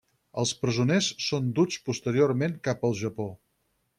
Els presoners són duts posteriorment cap al Japó.